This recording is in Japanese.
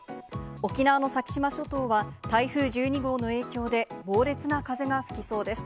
沖縄の先島諸島は、台風１２号の影響で、猛烈な風が吹きそうです。